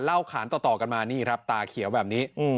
ขานต่อกันมานี่ครับตาเขียวแบบนี้